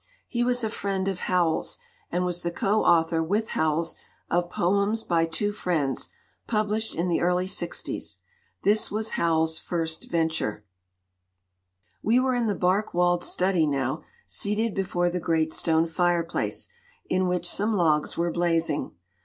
He was a friend of Howells, and was the co author with Howells of Poems by Two Friends, published in the early sixties. This was Howells's first venture." 216 CITY LIFE VS. LITERATURE We were in the bark walled study now, seated before the great stone fireplace, in which some logs were blazing.